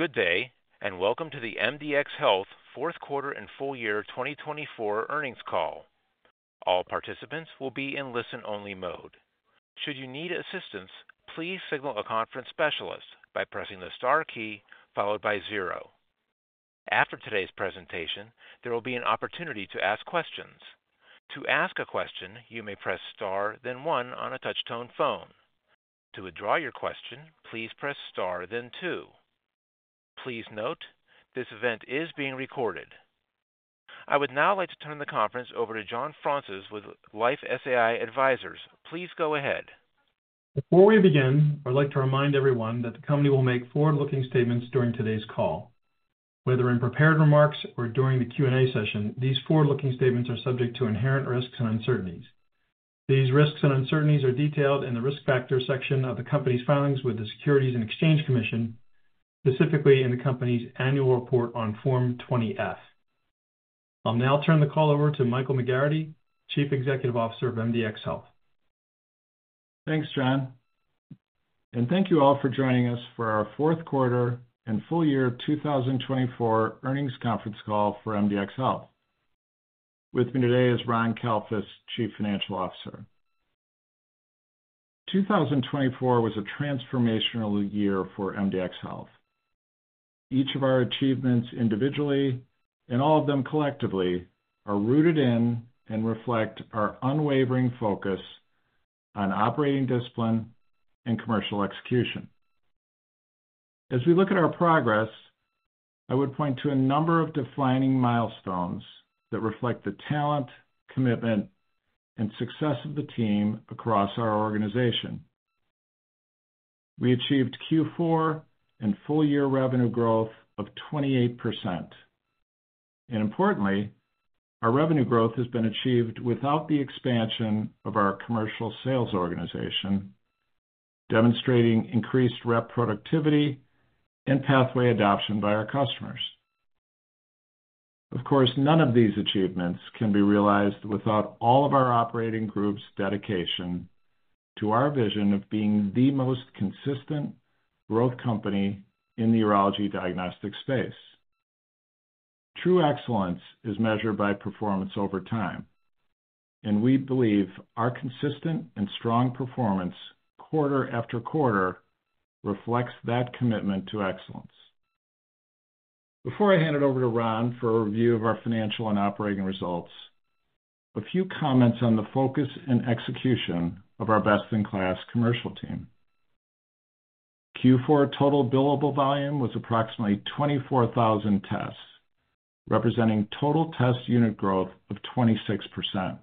Good day, and welcome to the MDxHealth fourth quarter and full year 2024 earnings call. All participants will be in listen-only mode. Should you need assistance, please signal a conference specialist by pressing the star key followed by zero. After today's presentation, there will be an opportunity to ask questions. To ask a question, you may press star, then one on a touch-tone phone. To withdraw your question, please press star, then two. Please note, this event is being recorded. I would now like to turn the conference over to John Fraunces with LifeSci Advisors. Please go ahead. Before we begin, I'd like to remind everyone that the company will make forward-looking statements during today's call. Whether in prepared remarks or during the Q&A session, these forward-looking statements are subject to inherent risks and uncertainties. These risks and uncertainties are detailed in the risk factor section of the company's filings with the Securities and Exchange Commission, specifically in the company's annual report on Form 20-F. I'll now turn the call over to Michael McGarrity, Chief Executive Officer of MDxHealth. Thanks, John. Thank you all for joining us for our fourth quarter and full year 2024 earnings conference call for MDxHealth. With me today is Ron Kalfus, Chief Financial Officer. 2024 was a transformational year for MDxHealth. Each of our achievements individually and all of them collectively are rooted in and reflect our unwavering focus on operating discipline and commercial execution. As we look at our progress, I would point to a number of defining milestones that reflect the talent, commitment, and success of the team across our organization. We achieved Q4 and full year revenue growth of 28%. Importantly, our revenue growth has been achieved without the expansion of our commercial sales organization, demonstrating increased rep productivity and pathway adoption by our customers. Of course, none of these achievements can be realized without all of our operating group's dedication to our vision of being the most consistent growth company in the urology diagnostic space. True excellence is measured by performance over time, and we believe our consistent and strong performance quarter after quarter reflects that commitment to excellence. Before I hand it over to Ron for a review of our financial and operating results, a few comments on the focus and execution of our best-in-class commercial team. Q4 total billable volume was approximately 24,000 tests, representing total test unit growth of 26%.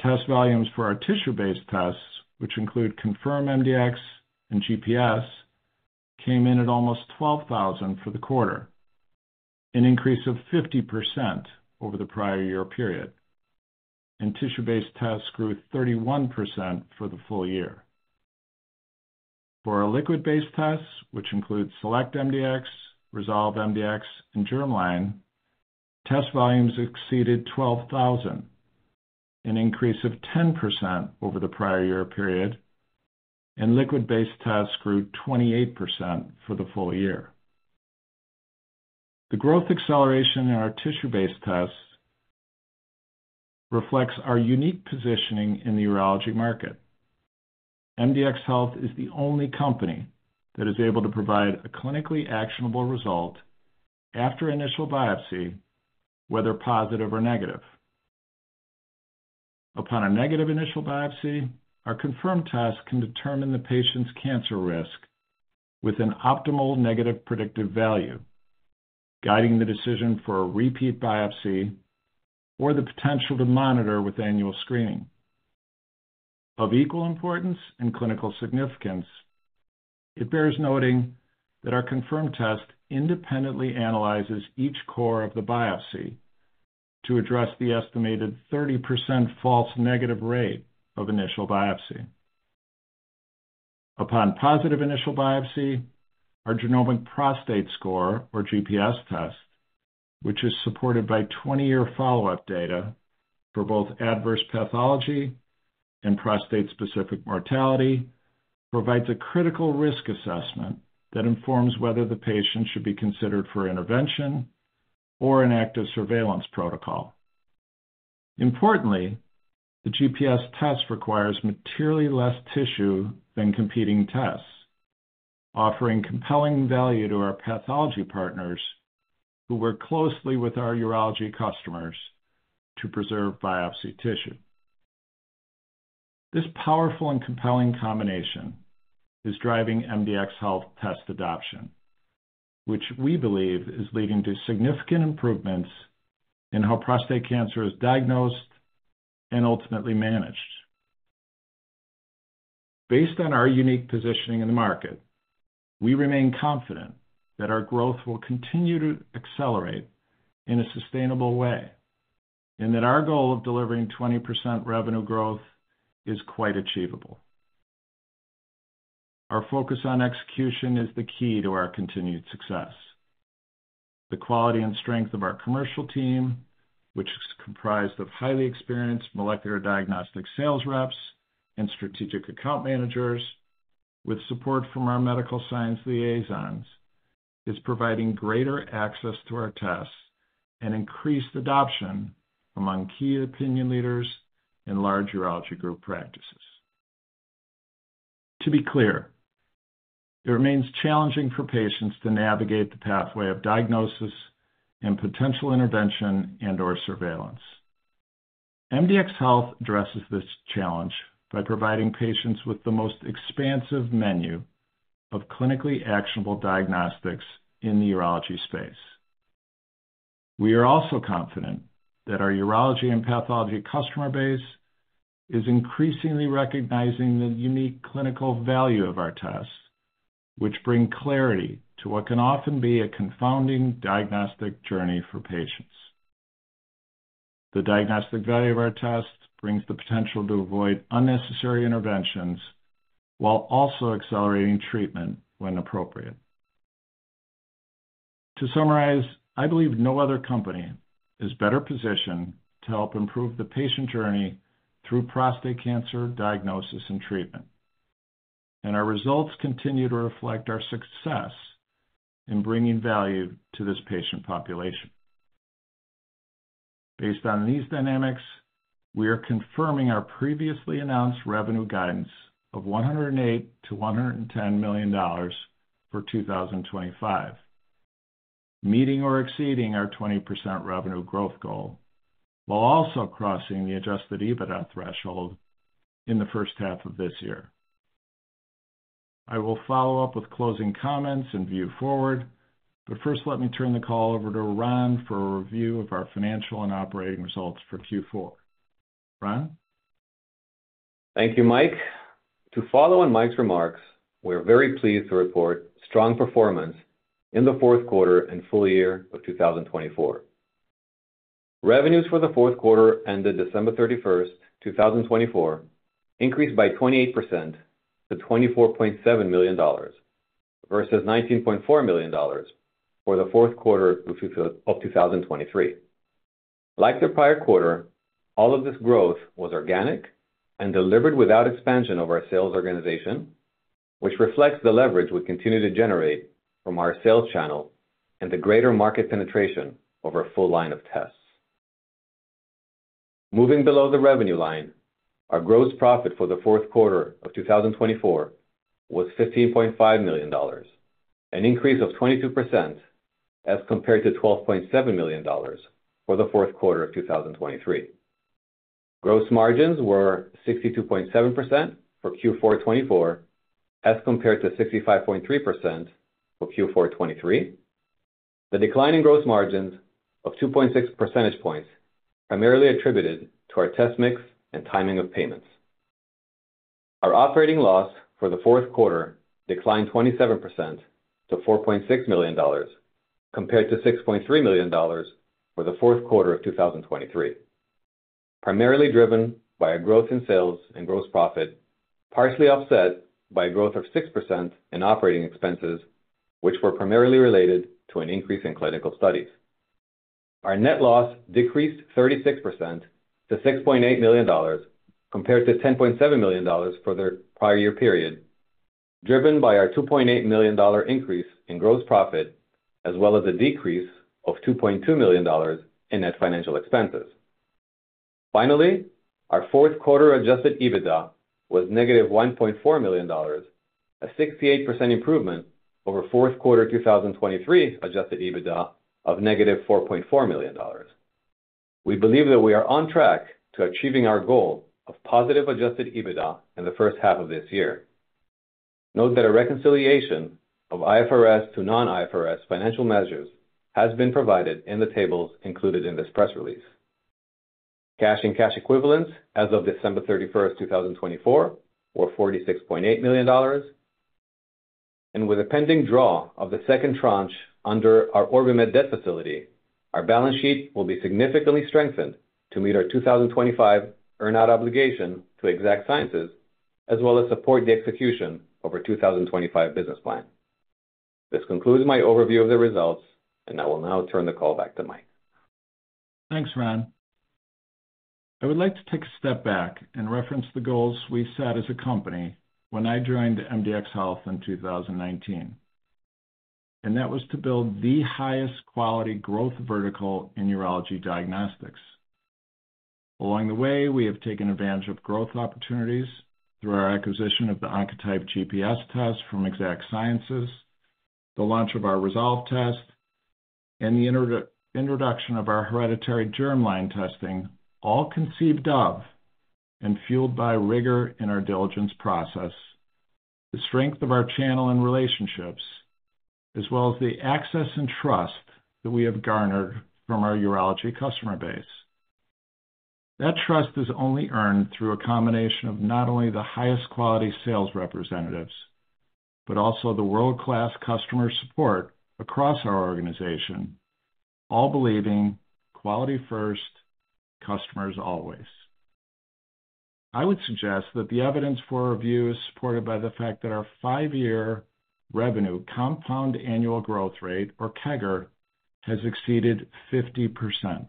Test volumes for our tissue-based tests, which include Confirm mdx and GPS, came in at almost 12,000 for the quarter, an increase of 50% over the prior year period. Tissue-based tests grew 31% for the full year. For our liquid-based tests, which include Select mdx, Resolve mdx, and Germline, test volumes exceeded 12,000, an increase of 10% over the prior year period, and liquid-based tests grew 28% for the full year. The growth acceleration in our tissue-based tests reflects our unique positioning in the urology market. MDxHealth is the only company that is able to provide a clinically actionable result after initial biopsy, whether positive or negative. Upon a negative initial biopsy, our Confirm tests can determine the patient's cancer risk with an optimal negative predictive value, guiding the decision for a repeat biopsy or the potential to monitor with annual screening. Of equal importance and clinical significance, it bears noting that our Confirm test independently analyzes each core of the biopsy to address the estimated 30% false negative rate of initial biopsy. Upon positive initial biopsy, our Genomic Prostate Score, or GPS test, which is supported by 20-year follow-up data for both adverse pathology and prostate-specific mortality, provides a critical risk assessment that informs whether the patient should be considered for intervention or an active surveillance protocol. Importantly, the GPS test requires materially less tissue than competing tests, offering compelling value to our pathology partners who work closely with our urology customers to preserve biopsy tissue. This powerful and compelling combination is driving MDxHealth test adoption, which we believe is leading to significant improvements in how prostate cancer is diagnosed and ultimately managed. Based on our unique positioning in the market, we remain confident that our growth will continue to accelerate in a sustainable way and that our goal of delivering 20% revenue growth is quite achievable. Our focus on execution is the key to our continued success. The quality and strength of our commercial team, which is comprised of highly experienced molecular diagnostic sales reps and strategic account managers with support from our medical science liaisons, is providing greater access to our tests and increased adoption among key opinion leaders and large urology group practices. To be clear, it remains challenging for patients to navigate the pathway of diagnosis and potential intervention and/or surveillance. MDxHealth addresses this challenge by providing patients with the most expansive menu of clinically actionable diagnostics in the urology space. We are also confident that our urology and pathology customer base is increasingly recognizing the unique clinical value of our tests, which bring clarity to what can often be a confounding diagnostic journey for patients. The diagnostic value of our tests brings the potential to avoid unnecessary interventions while also accelerating treatment when appropriate. To summarize, I believe no other company is better positioned to help improve the patient journey through prostate cancer diagnosis and treatment, and our results continue to reflect our success in bringing value to this patient population. Based on these dynamics, we are confirming our previously announced revenue guidance of $108 million-$110 million for 2025, meeting or exceeding our 20% revenue growth goal while also crossing the adjusted EBITDA threshold in the first half of this year. I will follow up with closing comments and view forward, but first, let me turn the call over to Ron for a review of our financial and operating results for Q4. Ron? Thank you, Mike. To follow on Mike's remarks, we are very pleased to report strong performance in the fourth quarter and full year of 2024. Revenues for the Q4 ended December 31, 2024, increased by 28% to $24.7 million versus $19.4 million for the fourth quarter of 2023. Like the prior quarter, all of this growth was organic and delivered without expansion of our sales organization, which reflects the leverage we continue to generate from our sales channel and the greater market penetration of our full line of tests. Moving below the revenue line, our gross profit for the fourth quarter of 2024 was $15.5 million, an increase of 22% as compared to $12.7 million for the fourth quarter of 2023. Gross margins were 62.7% for Q4 2024 as compared to 65.3% for Q4 2023. The declining gross margins of 2.6 percentage points are merely attributed to our test mix and timing of payments. Our operating loss for the fourth quarter declined 27% to $4.6 million compared to $6.3 million for the fourth quarter of 2023, primarily driven by a growth in sales and gross profit partially offset by a growth of 6% in operating expenses, which were primarily related to an increase in clinical studies. Our net loss decreased 36% to $6.8 million compared to $10.7 million for the prior year period, driven by our $2.8 million increase in gross profit as well as a decrease of $2.2 million in net financial expenses. Finally, our fourth quarter adjusted EBITDA was negative $1.4 million, a 68% improvement over fourth quarter 2023 adjusted EBITDA of negative $4.4 million. We believe that we are on track to achieving our goal of positive adjusted EBITDA in the first half of this year. Note that a reconciliation of IFRS to non-IFRS financial measures has been provided in the tables included in this press release. Cash and cash equivalents as of December 31, 2024, were $46.8 million. With a pending draw of the second tranche under our OrbiMed debt facility, our balance sheet will be significantly strengthened to meet our 2025 earn-out obligation to Exact Sciences as well as support the execution of our 2025 business plan. This concludes my overview of the results, and I will now turn the call back to Mike. Thanks, Ron. I would like to take a step back and reference the goals we set as a company when I joined MDxHealth in 2019, and that was to build the highest quality growth vertical in urology diagnostics. Along the way, we have taken advantage of growth opportunities through our acquisition of the Oncotype GPS test from Exact Sciences, the launch of our Resolve test, and the introduction of our hereditary Germline testing, all conceived of and fueled by rigor in our diligence process, the strength of our channel and relationships, as well as the access and trust that we have garnered from our urology customer base. That trust is only earned through a combination of not only the highest quality sales representatives but also the world-class customer support across our organization, all believing quality first, customers always. I would suggest that the evidence for our view is supported by the fact that our five-year revenue compound annual growth rate, or CAGR, has exceeded 50%.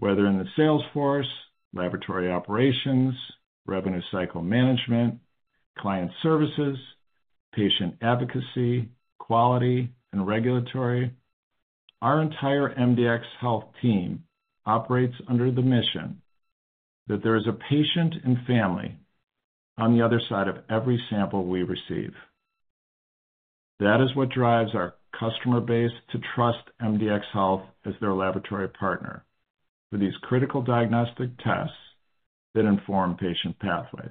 Whether in the sales force, laboratory operations, revenue cycle management, client services, patient advocacy, quality, and regulatory, our entire MDxHealth team operates under the mission that there is a patient and family on the other side of every sample we receive. That is what drives our customer base to trust MDxHealth as their laboratory partner for these critical diagnostic tests that inform patient pathways.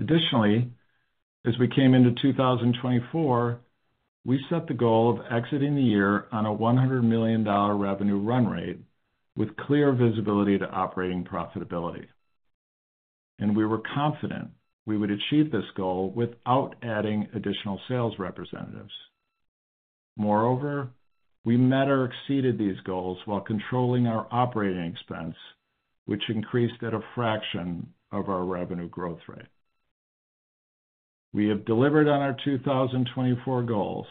Additionally, as we came into 2024, we set the goal of exiting the year on a $100 million revenue run rate with clear visibility to operating profitability. We were confident we would achieve this goal without adding additional sales representatives. Moreover, we met or exceeded these goals while controlling our operating expense, which increased at a fraction of our revenue growth rate. We have delivered on our 2024 goals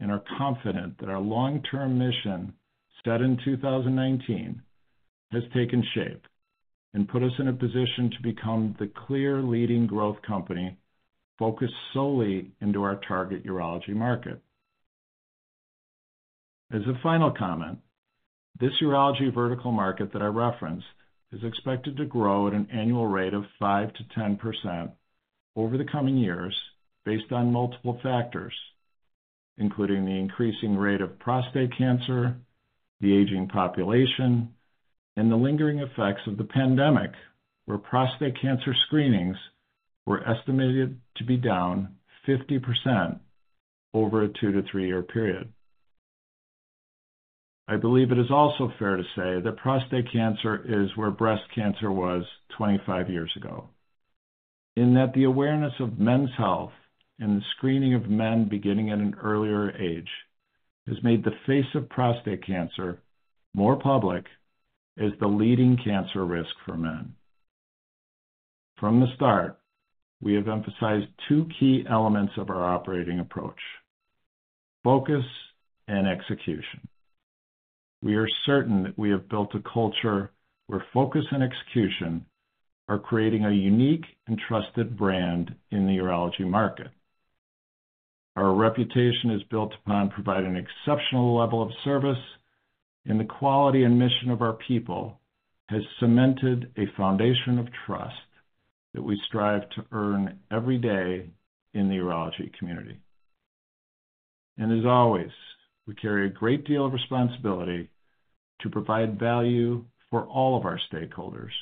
and are confident that our long-term mission set in 2019 has taken shape and put us in a position to become the clear leading growth company focused solely into our target urology market. As a final comment, this urology vertical market that I referenced is expected to grow at an annual rate of 5%-10% over the coming years based on multiple factors, including the increasing rate of prostate cancer, the aging population, and the lingering effects of the pandemic where prostate cancer screenings were estimated to be down 50% over a two to three-year period. I believe it is also fair to say that prostate cancer is where breast cancer was 25 years ago in that the awareness of men's health and the screening of men beginning at an earlier age has made the face of prostate cancer more public as the leading cancer risk for men. From the start, we have emphasized two key elements of our operating approach: focus and execution. We are certain that we have built a culture where focus and execution are creating a unique and trusted brand in the urology market. Our reputation is built upon providing an exceptional level of service, and the quality and mission of our people has cemented a foundation of trust that we strive to earn every day in the urology community. We carry a great deal of responsibility to provide value for all of our stakeholders,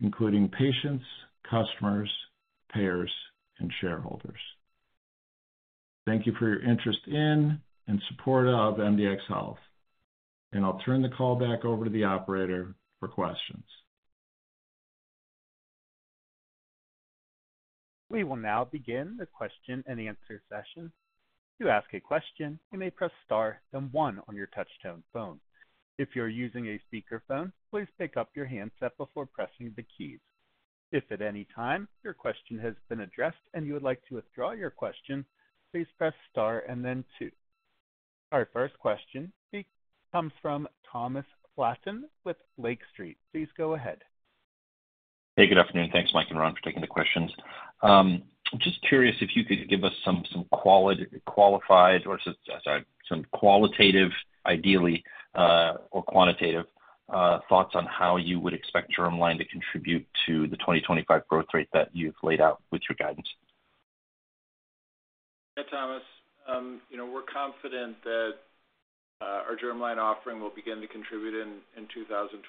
including patients, customers, payers, and shareholders. Thank you for your interest in and support of MDxHealth, and I'll turn the call back over to the operator for questions. We will now begin the question and answer session. To ask a question, you may press Star and 1 on your touch-tone phone. If you're using a speakerphone, please pick up your handset before pressing the keys. If at any time your question has been addressed and you would like to withdraw your question, please press Star and then 2. Our first question comes from Thomas Flaten with Lake Street. Please go ahead. Hey, good afternoon. Thanks, Mike and Ron, for taking the questions. Just curious if you could give us some qualified or some qualitative, ideally, or quantitative thoughts on how you would expect Germline to contribute to the 2025 growth rate that you've laid out with your guidance. Yeah, Thomas. We're confident that our Germline offering will begin to contribute in 2025,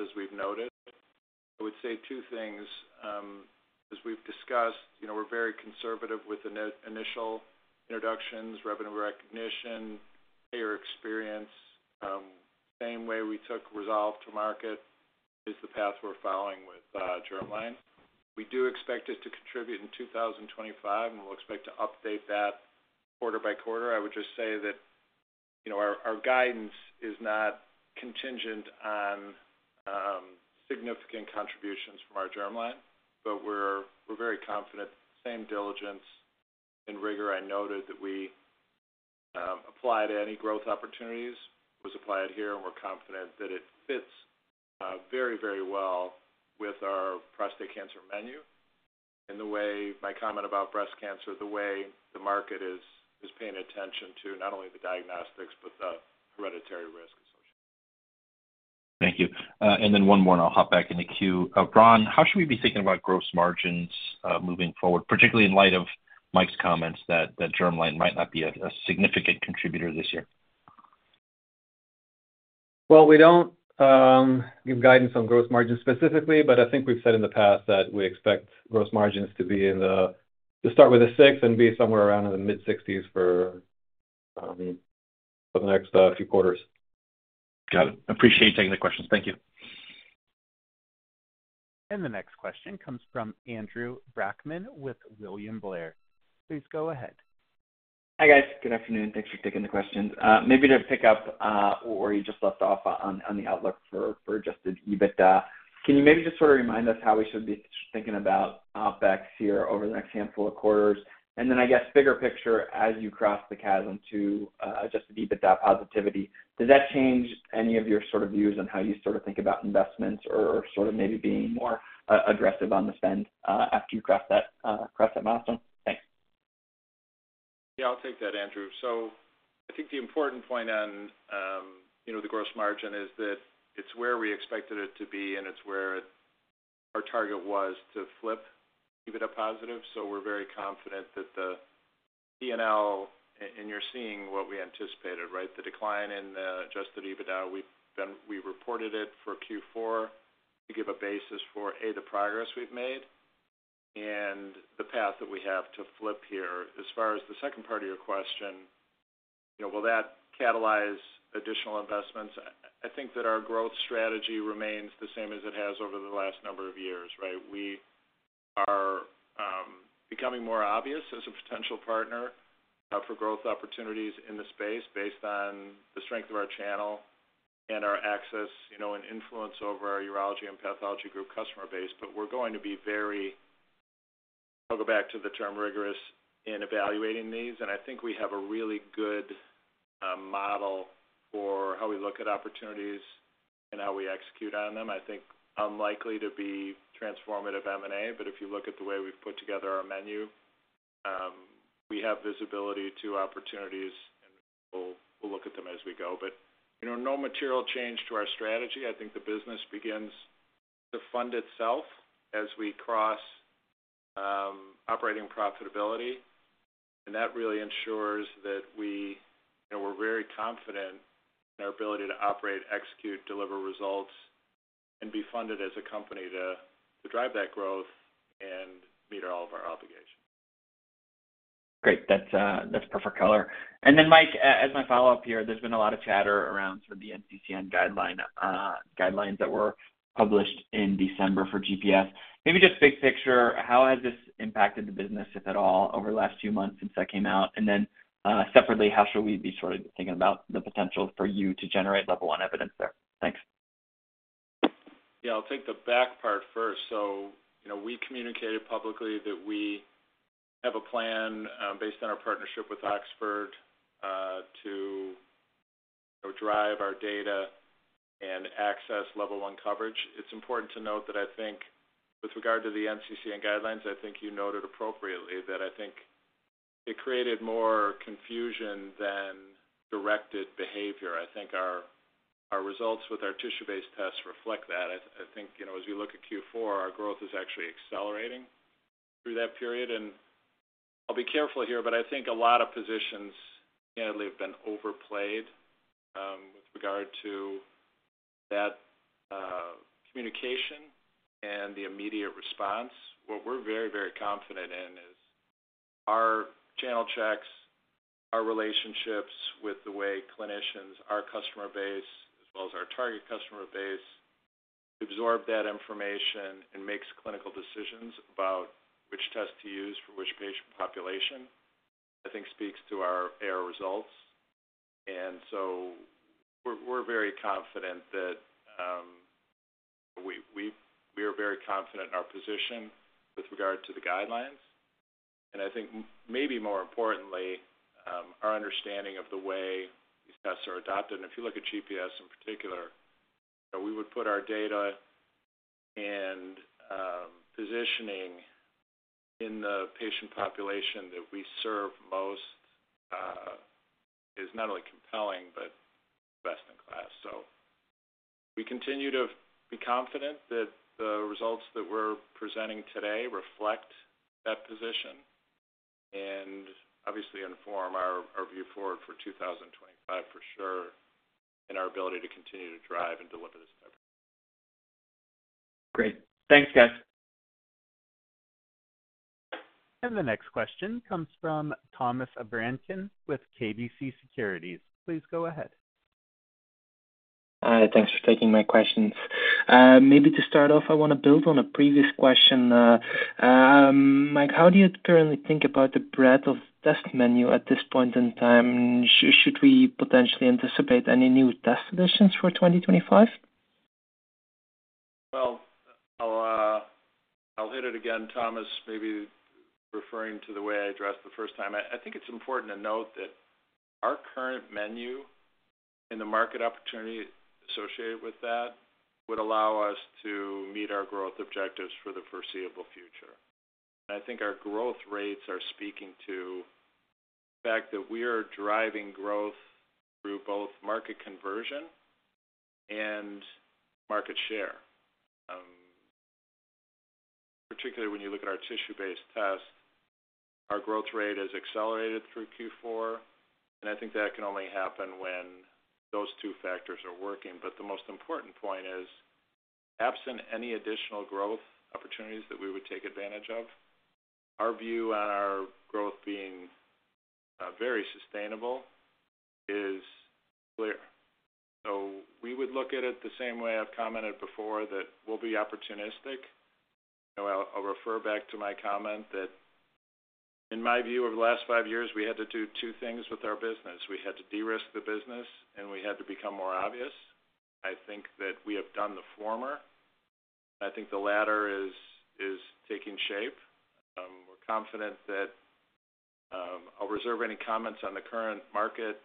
as we've noted. I would say two things. As we've discussed, we're very conservative with initial introductions, revenue recognition, payer experience. Same way we took Resolve to market is the path we're following with Germline. We do expect it to contribute in 2025, and we'll expect to update that quarter by quarter. I would just say that our guidance is not contingent on significant contributions from our Germline, but we're very confident. Same diligence and rigor I noted that we apply to any growth opportunities was applied here, and we're confident that it fits very, very well with our prostate cancer menu and the way my comment about breast cancer, the way the market is paying attention to not only the diagnostics but the hereditary risk. Thank you. One more, and I'll hop back in the queue. Ron, how should we be thinking about gross margins moving forward, particularly in light of Mike's comments that Germline might not be a significant contributor this year? We don't give guidance on gross margins specifically, but I think we've said in the past that we expect gross margins to start with a 6 and be somewhere around in the mid-60s for the next few quarters. Got it. Appreciate you taking the questions. Thank you. The next question comes from Andrew Brackmann with William Blair. Please go ahead. Hi, guys. Good afternoon. Thanks for taking the questions. Maybe to pick up where you just left off on the outlook for adjusted EBITDA, can you maybe just sort of remind us how we should be thinking about OpEx here over the next handful of quarters? I guess, bigger picture, as you cross the chasm to adjusted EBITDA positivity, does that change any of your sort of views on how you sort of think about investments or sort of maybe being more aggressive on the spend after you cross that milestone? Thanks. Yeah, I'll take that, Andrew. I think the important point on the gross margin is that it's where we expected it to be, and it's where our target was to flip EBITDA positive. We're very confident that the P&L, and you're seeing what we anticipated, right? The decline in adjusted EBITDA, we reported it for Q4 to give a basis for, A, the progress we've made and the path that we have to flip here. As far as the second part of your question, will that catalyze additional investments? I think that our growth strategy remains the same as it has over the last number of years, right? We are becoming more obvious as a potential partner for growth opportunities in the space based on the strength of our channel and our access and influence over our urology and pathology group customer base. We are going to be very—I will go back to the term rigorous in evaluating these. I think we have a really good model for how we look at opportunities and how we execute on them. I think unlikely to be transformative M&A, but if you look at the way we have put together our menu, we have visibility to opportunities, and we will look at them as we go. No material change to our strategy. I think the business begins to fund itself as we cross operating profitability, and that really ensures that we are very confident in our ability to operate, execute, deliver results, and be funded as a company to drive that growth and meet all of our obligations. Great. That's perfect color. Mike, as my follow-up here, there's been a lot of chatter around sort of the NCCN guidelines that were published in December for GPS. Maybe just big picture, how has this impacted the business, if at all, over the last few months since that came out? Separately, how should we be sort of thinking about the potential for you to generate level one evidence there? Thanks. Yeah, I'll take the back part first. We communicated publicly that we have a plan based on our partnership with Oxford to drive our data and access level one coverage. It's important to note that I think with regard to the NCCN guidelines, I think you noted appropriately that I think it created more confusion than directed behavior. I think our results with our tissue-based tests reflect that. I think as we look at Q4, our growth is actually accelerating through that period. I'll be careful here, but I think a lot of positions candidly have been overplayed with regard to that communication and the immediate response. What we're very, very confident in is our channel checks, our relationships with the way clinicians, our customer base, as well as our target customer base absorb that information and make clinical decisions about which test to use for which patient population. I think speaks to our AR results. We are very confident that we are very confident in our position with regard to the guidelines. I think maybe more importantly, our understanding of the way these tests are adopted. If you look at GPS in particular, we would put our data and positioning in the patient population that we serve most is not only compelling but best in class. We continue to be confident that the results that we're presenting today reflect that position and obviously inform our view forward for 2025 for sure in our ability to continue to drive and deliver this type of. Great. Thanks, guys. The next question comes from Thomas Vranken with KBC Securities. Please go ahead. Hi. Thanks for taking my questions. Maybe to start off, I want to build on a previous question. Mike, how do you currently think about the breadth of test menu at this point in time? Should we potentially anticipate any new test additions for 2025? I'll hit it again, Thomas, maybe referring to the way I addressed the first time. I think it's important to note that our current menu and the market opportunity associated with that would allow us to meet our growth objectives for the foreseeable future. I think our growth rates are speaking to the fact that we are driving growth through both market conversion and market share. Particularly when you look at our tissue-based test, our growth rate has accelerated through Q4, and I think that can only happen when those two factors are working. The most important point is, absent any additional growth opportunities that we would take advantage of, our view on our growth being very sustainable is clear. We would look at it the same way I've commented before that we'll be opportunistic. I'll refer back to my comment that in my view of the last five years, we had to do two things with our business. We had to de-risk the business, and we had to become more obvious. I think that we have done the former. I think the latter is taking shape. We're confident that I'll reserve any comments on the current market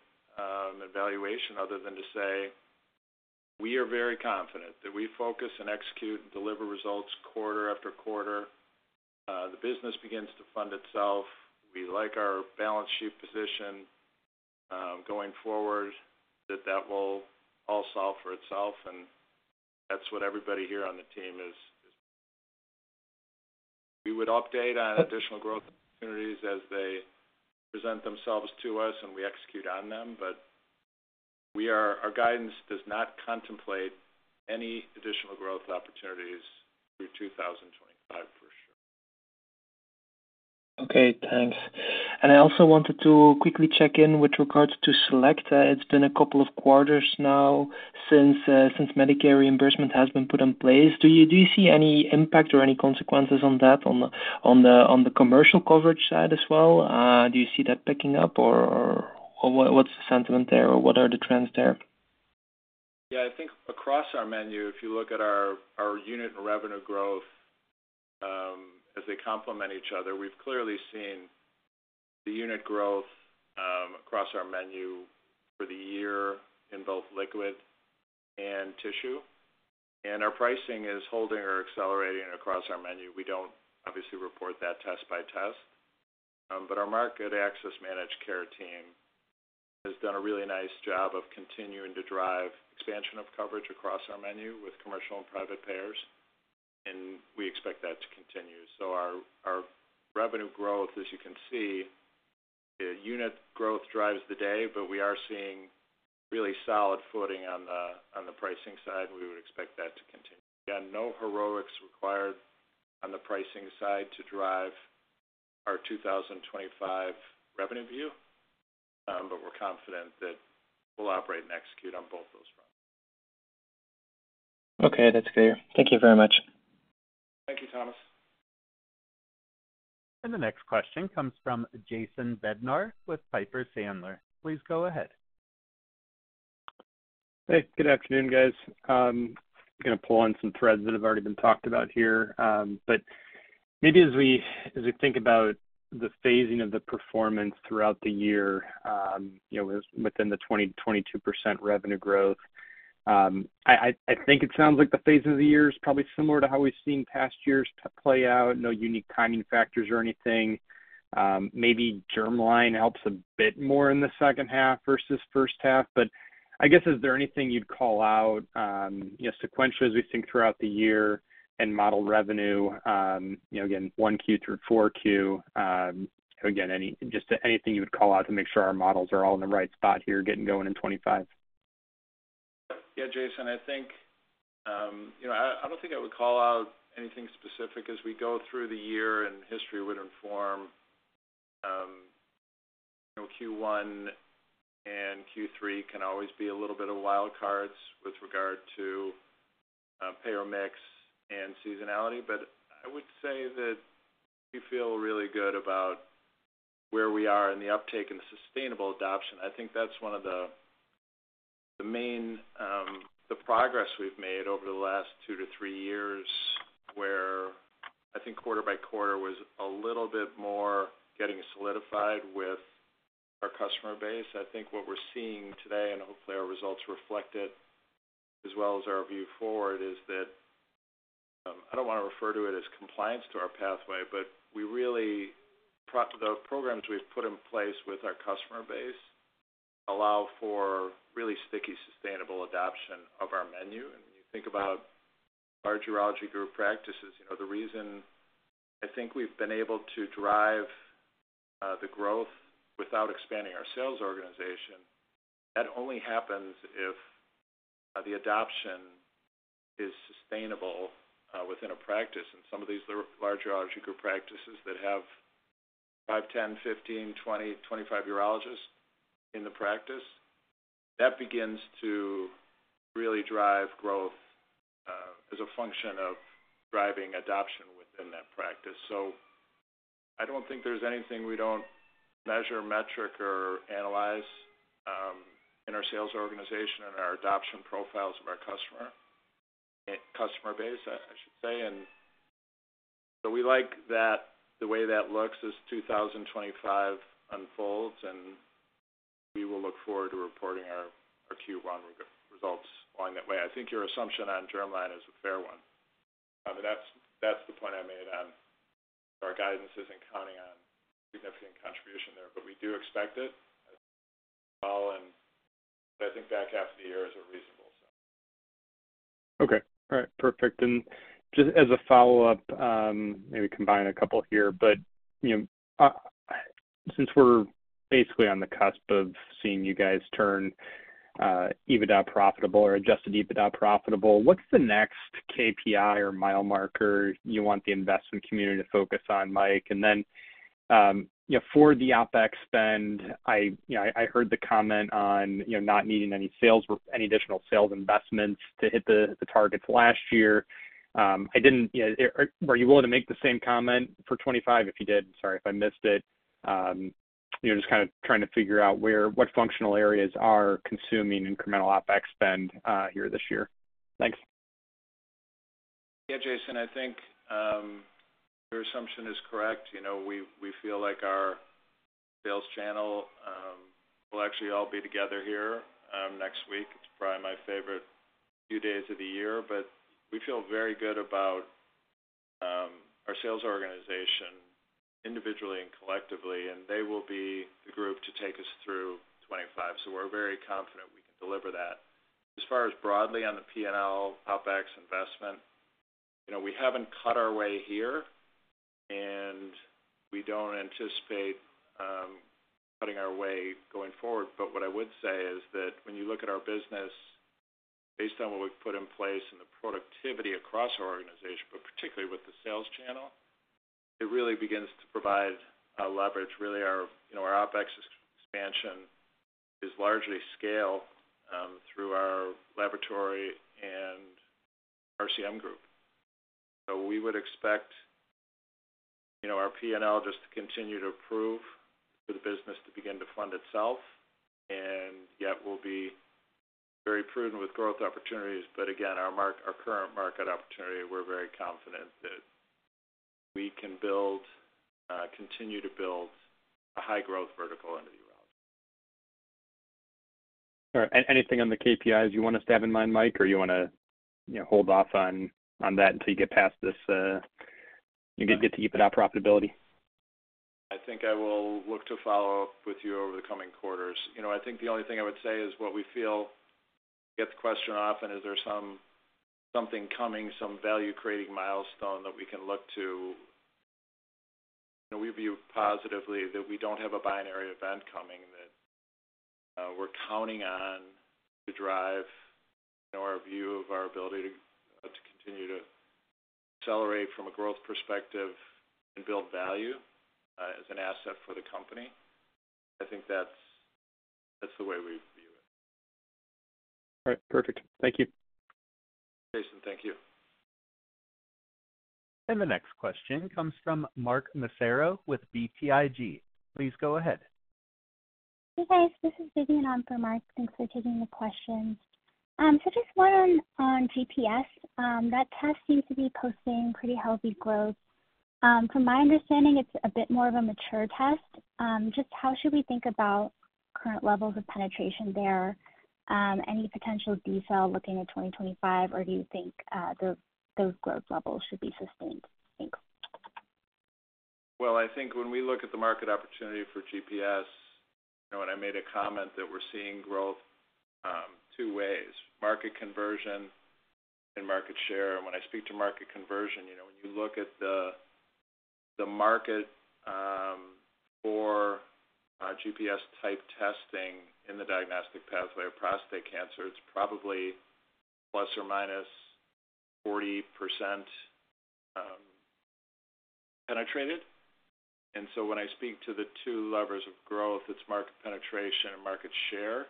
evaluation other than to say we are very confident that we focus and execute and deliver results quarter after quarter. The business begins to fund itself. We like our balance sheet position going forward, that that will all solve for itself. That's what everybody here on the team is. We would update on additional growth opportunities as they present themselves to us, and we execute on them. Our guidance does not contemplate any additional growth opportunities through 2025 for sure. Thanks. I also wanted to quickly check in with regards to Select. It's been a couple of quarters now since Medicare reimbursement has been put in place. Do you see any impact or any consequences on that on the commercial coverage side as well? Do you see that picking up, or what's the sentiment there, or what are the trends there? Yeah. I think across our menu, if you look at our unit and revenue growth as they complement each other, we've clearly seen the unit growth across our menu for the year in both liquid and tissue. And our pricing is holding or accelerating across our menu. We don't obviously report that test by test. But our market access managed care team has done a really nice job of continuing to drive expansion of coverage across our menu with commercial and private payers, and we expect that to continue. So our revenue growth, as you can see, unit growth drives the day, but we are seeing really solid footing on the pricing side. We would expect that to continue. Again, no heroics required on the pricing side to drive our 2025 revenue view, but we're confident that we'll operate and execute on both those fronts. Okay. That's clear. Thank you very much. Thank you, Thomas. The next question comes from Jason Bednar with Piper Sandler. Please go ahead. Hey. Good afternoon, guys. I'm going to pull on some threads that have already been talked about here. Maybe as we think about the phasing of the performance throughout the year within the 20-22% revenue growth, I think it sounds like the phase of the year is probably similar to how we've seen past years play out. No unique timing factors or anything. Maybe Germline helps a bit more in the second half versus first half. I guess, is there anything you'd call out sequentially as we think throughout the year and model revenue, again, 1Q through 4Q? Just anything you would call out to make sure our models are all in the right spot here, getting going in 2025? Yeah. Jason, I think I don't think I would call out anything specific as we go through the year, and history would inform. Q1 and Q3 can always be a little bit of wild cards with regard to payer mix and seasonality. I would say that we feel really good about where we are in the uptake and sustainable adoption. I think that's one of the main progress we've made over the last two to three years where I think quarter by quarter was a little bit more getting solidified with our customer base. I think what we're seeing today, and hopefully our results reflect it as well as our view forward, is that I don't want to refer to it as compliance to our pathway, but the programs we've put in place with our customer base allow for really sticky sustainable adoption of our menu. When you think about our urology group practices, the reason I think we've been able to drive the growth without expanding our sales organization, that only happens if the adoption is sustainable within a practice. Some of these larger urology group practices that have 5, 10, 15, 20, 25 urologists in the practice, that begins to really drive growth as a function of driving adoption within that practice. I don't think there's anything we don't measure, metric, or analyze in our sales organization and our adoption profiles of our customer base, I should say. We like the way that looks as 2025 unfolds, and we will look forward to reporting our Q1 results along that way. I think your assumption on Germline is a fair one. That's the point I made on our guidance is not counting on significant contribution there, but we do expect it. I think back half the year is a reasonable sum. Okay. All right. Perfect. Just as a follow-up, maybe combine a couple here. Since we're basically on the cusp of seeing you guys turn EBITDA profitable or adjusted EBITDA profitable, what's the next KPI or mile marker you want the investment community to focus on, Mike? For the OpEx spend, I heard the comment on not needing any additional sales investments to hit the targets last year. Were you willing to make the same comment for 2025? If you did, sorry if I missed it. Just kind of trying to figure out what functional areas are consuming incremental OpEx spend here this year. Thanks. Yeah, Jason, I think your assumption is correct. We feel like our sales channel will actually all be together here next week. It's probably my favorite few days of the year. We feel very good about our sales organization individually and collectively, and they will be the group to take us through 2025. We are very confident we can deliver that. As far as broadly on the P&L OpEx investment, we haven't cut our way here, and we don't anticipate cutting our way going forward. What I would say is that when you look at our business, based on what we've put in place and the productivity across our organization, but particularly with the sales channel, it really begins to provide leverage. Really, our OpEx expansion is largely scale through our laboratory and RCM group. We would expect our P&L just to continue to improve for the business to begin to fund itself. Yet we'll be very prudent with growth opportunities. Again, our current market opportunity, we're very confident that we can build, continue to build a high-growth vertical into the U.S. Sure. Anything on the KPIs you want us to have in mind, Mike, or you want to hold off on that until you get past this, get to keep it at profitability? I think I will look to follow up with you over the coming quarters. I think the only thing I would say is what we feel gets questioned often is there's something coming, some value-creating milestone that we can look to. We view positively that we don't have a binary event coming that we're counting on to drive our view of our ability to continue to accelerate from a growth perspective and build value as an asset for the company. I think that's the way we view it. All right. Perfect. Thank you. Jason, thank you. The next question comes from Mark Massaro with BTIG. Please go ahead. Hey, guys. This is Vidyun on for Mark. Thanks for taking the questions. Just one on GPS. That test seems to be posting pretty healthy growth. From my understanding, it's a bit more of a mature test. Just how should we think about current levels of penetration there? Any potential decel looking at 2025, or do you think those growth levels should be sustained? Thanks. I think when we look at the market opportunity for GPS, when I made a comment that we're seeing growth two ways: market conversion and market share. When I speak to market conversion, when you look at the market for GPS-type testing in the diagnostic pathway of prostate cancer, it's probably plus or minus 40% penetrated. When I speak to the two levers of growth, it's market penetration and market share.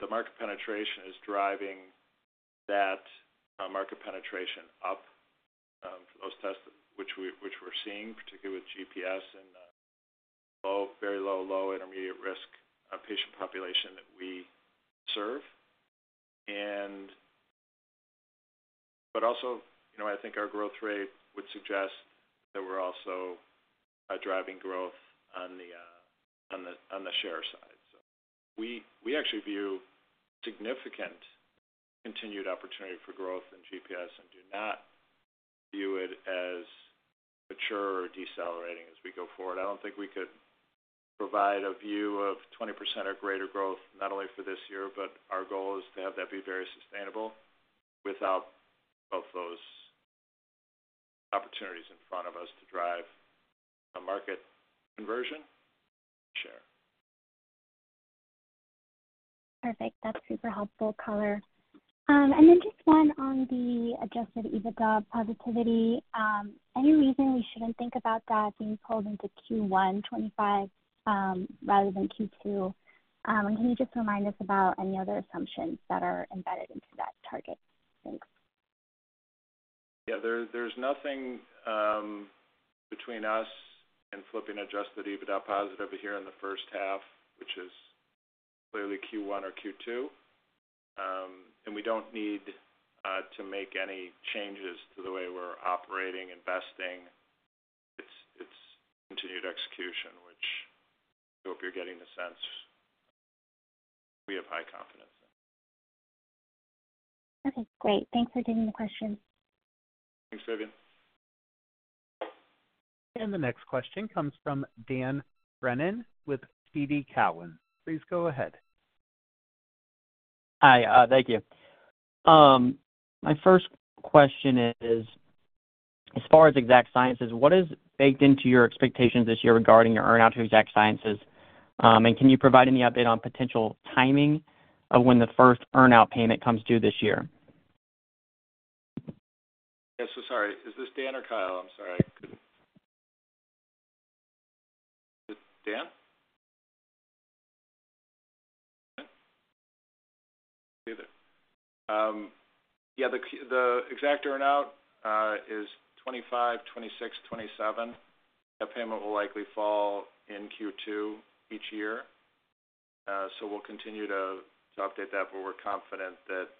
The market penetration is driving that market penetration up for those tests, which we're seeing, particularly with GPS and very low, low, intermediate-risk patient population that we serve. I think our growth rate would suggest that we're also driving growth on the share side. We actually view significant continued opportunity for growth in GPS and do not view it as mature or decelerating as we go forward. I don't think we could provide a view of 20% or greater growth not only for this year, but our goal is to have that be very sustainable without both those opportunities in front of us to drive market conversion and share. Perfect. That's super helpful color. And then just one on the adjusted EBITDA positivity. Any reason we shouldn't think about that being pulled into Q1 2025 rather than Q2? And can you just remind us about any other assumptions that are embedded into that target? Thanks. Yeah. There's nothing between us and flipping adjusted EBITDA positive here in the first half, which is clearly Q1 or Q2. We don't need to make any changes to the way we're operating, investing. It's continued execution, which I hope you're getting the sense we have high confidence in. Okay. Great. Thanks for taking the questions. Thanks, Vidyun. The next question comes from Dan Brennan with TD Cowen. Please go ahead. Hi. Thank you. My first question is, as far as Exact Sciences, what is baked into your expectations this year regarding your earnout to Exact Sciences? Can you provide any update on potential timing of when the first earnout payment comes due this year? Yeah. Sorry. Is this Dan or Kyle? I'm sorry. Is it Dan? Okay. The exact earnout is 2025, 2026, 2027. That payment will likely fall in Q2 each year. We'll continue to update that, but we're confident that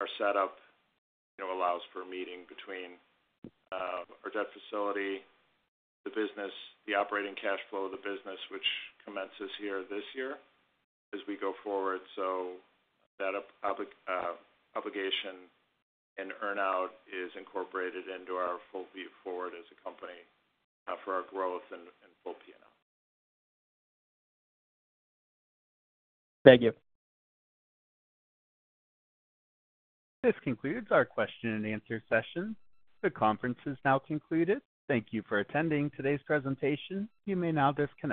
our setup allows for a meeting between our debt facility, the business, the operating cash flow of the business, which commences here this year as we go forward. That obligation and earnout is incorporated into our full view forward as a company for our growth and full P&L. Thank you. This concludes our question and answer session. The conference is now concluded. Thank you for attending today's presentation. You may now disconnect.